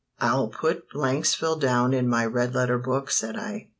"I'll put Blanksville down in my red letter book," said I.